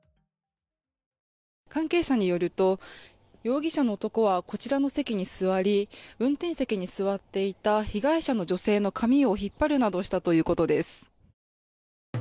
関係者によると容疑者の男はこちらの席に座り運転席に座っていた被害者の女性の髪を引っ張るなどしたということです。